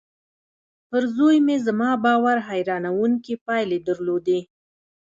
پر زوی مې زما باور حيرانوونکې پايلې درلودې.